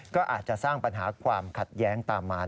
ก็อาจจะสร้างปัญหาความขัดแย้งตามมา